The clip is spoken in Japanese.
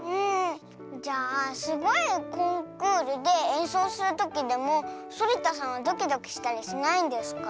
じゃあすごいコンクールでえんそうするときでもそりたさんはドキドキしたりしないんですか？